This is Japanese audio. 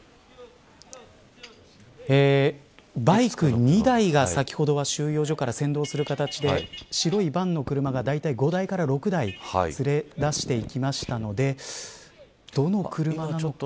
バイク２台が先ほど収容所から先導する形で白いバンの車が大体、５台から６台連れ出していきましたのでどの車なのか。